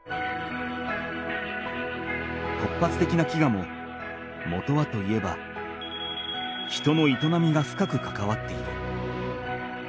突発的な飢餓ももとはといえば人の営みが深くかかわっている。